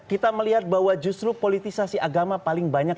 kita melihat bahwa justru politisasi agama paling banyak